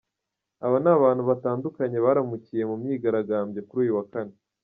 Aba ni abantu batandukanye baramukiye mu myigaragambyo kuri uyu wa Kane.